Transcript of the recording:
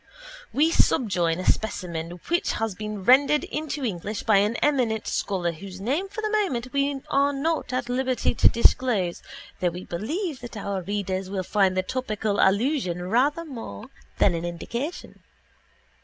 We subjoin a specimen which has been rendered into English by an eminent scholar whose name for the moment we are not at liberty to disclose though we believe that our readers will find the topical allusion rather more than an indication.